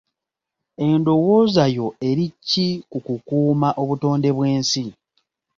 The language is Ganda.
Endowooza yo eri ki ku kukuuma obutonde bw'ensi?